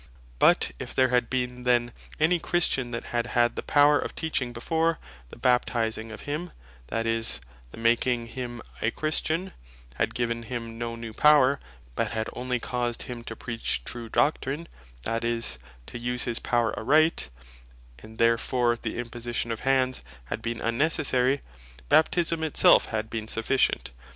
But if there had been then any Christian, that had had the Power of Teaching before; the Baptizing of him, that is the making of him a Christian, had given him no new Power, but had onely caused him to preach true Doctrine, that is, to use his Power aright; and therefore the Imposition of Hands had been unnecessary; Baptisme it selfe had been sufficient.